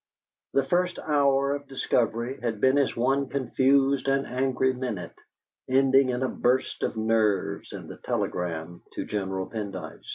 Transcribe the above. The first hour of discovery had been as one confused and angry minute, ending in a burst of nerves and the telegram to General Pendyce.